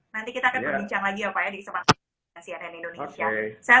nanti kita akan berbincang lagi ya pak ya di kesempatan cnn indonesia